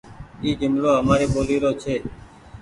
اي جملو همآري ٻولي رو ڇي۔